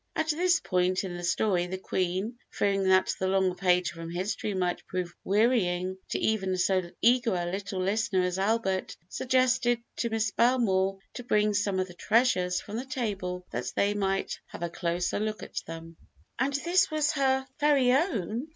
At this point in the story the Queen, fearing that the long page from history might prove wearying to even so eager a little listener as Albert, suggested to Miss Belmore to bring some of the treasures from the table that they might have a closer look at them. [Illustration: 0152] "And was this her very own?"